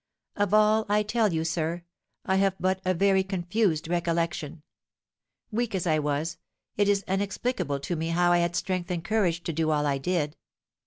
Of all I tell you, sir, I have but a very confused recollection. Weak as I was, it is inexplicable to me how I had strength and courage to do all I did.